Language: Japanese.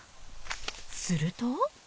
すると。